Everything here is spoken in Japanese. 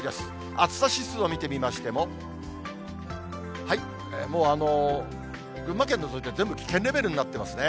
暑さ指数を見てみましても、もう群馬県のぞいて全部危険レベルになってますね。